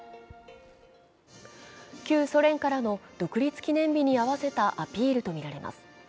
旧ソ連からの独立記念日に合わせたアピールとみられます。